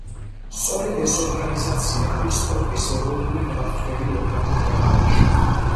სწორედ ეს ორგანიზაცია არის სპორტის ეროვნული მმართველი ორგანო ქვეყანაში.